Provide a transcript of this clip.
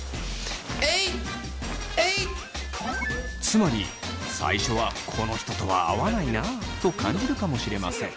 つまり最初はこの人とは合わないなと感じるかもしれません。